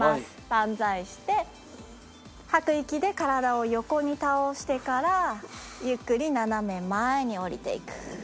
バンザイして吐く息で体を横に倒してからゆっくり斜め前に下りていく。